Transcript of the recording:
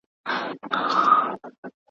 بیکاري د پانګي د نشتوالي له امله رامنځته کیږي.